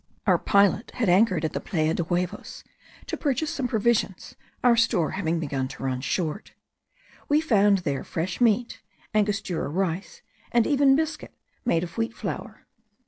Our pilot had anchored at the Playa de huevos, to purchase some provisions, our store having begun to run short. We found there fresh meat, Angostura rice, and even biscuit made of wheat flour.